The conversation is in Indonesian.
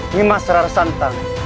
nimas rai santang